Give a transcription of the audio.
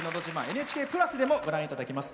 「ＮＨＫプラス」でもご覧いただけます。